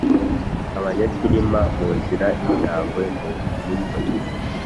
abanyakirima muzira icyangwe mu minwe